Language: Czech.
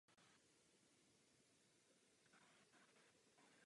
Během této asanace bylo zbořeno také několik sousedních vil.